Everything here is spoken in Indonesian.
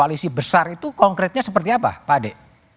koalisi besar itu konkretnya seperti apa pak ade